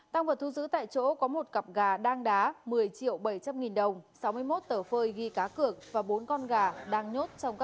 tăng vật thu giữ tại chỗ có một cặp gà đang đá một mươi triệu bảy trăm linh nghìn đồng sáu mươi một tờ phơi ghi cá cược và bốn con gà đang nhốt trong các